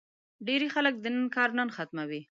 ډېری خلک د نن کار نن ختموي.